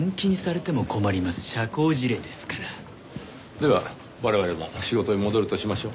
では我々も仕事に戻るとしましょう。